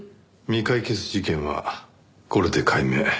未解決事件はこれで解明。